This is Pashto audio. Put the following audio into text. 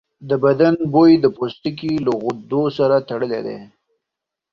د بدن بوی د پوستکي له غدو سره تړلی دی.